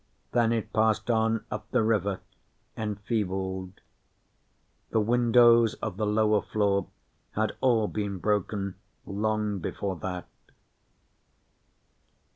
Then it passed on up the river, enfeebled. The windows of the lower floor had all been broken long before that.